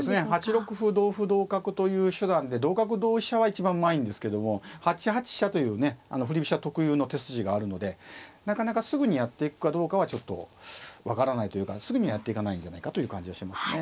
８六歩同歩同角という手段で同角同飛車は一番うまいんですけども８八飛車というね振り飛車特有の手筋があるのでなかなかすぐにやっていくかどうかはちょっと分からないというかすぐにはやっていかないんじゃないかという感じはしますね。